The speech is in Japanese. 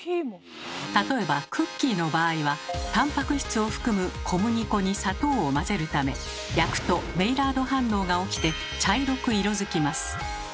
例えばクッキーの場合はタンパク質を含む小麦粉に砂糖を混ぜるため焼くとメイラード反応が起きて茶色く色づきます。